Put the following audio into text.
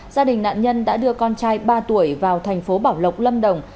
gia đình nạn nhân đã đưa con trai ba tuổi vào thành phố bảo lộc lâm đồng